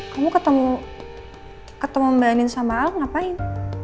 kamu ketemu mbak andin sama al ngapain